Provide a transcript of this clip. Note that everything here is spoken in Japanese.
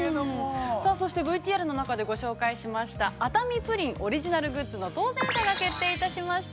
◆ＶＴＲ中で紹介しました熱海プリンオリジナルグッズの当せん者が決定いたしました。